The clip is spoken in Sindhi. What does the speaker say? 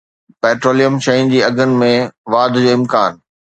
پيٽروليم شين جي اگهن ۾ واڌ جو امڪان